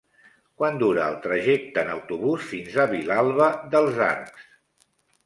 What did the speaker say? Quant dura el trajecte en autobús fins a Vilalba dels Arcs?